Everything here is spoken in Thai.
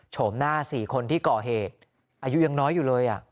โฉมหน้าสี่คนที่เกาะเหตุอายุยังน้อยอยู่เลยอ่ะ